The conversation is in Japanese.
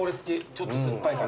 ちょっと酸っぱい。